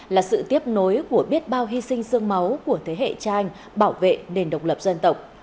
là sự tiếp nối của biết bao hy sinh sương máu của thế hệ cha anh bảo vệ nền độc lập dân tộc